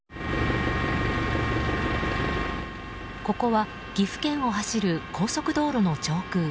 ここは岐阜県を走る高速道路の上空。